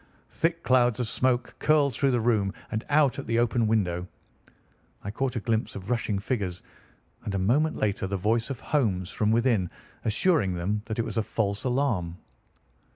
Thick clouds of smoke curled through the room and out at the open window. I caught a glimpse of rushing figures, and a moment later the voice of Holmes from within assuring them that it was a false alarm.